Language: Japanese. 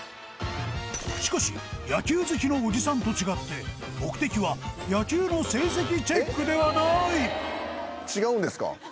しかし野球好きのおじさんと違って目的は野球の成績チェックではないへえ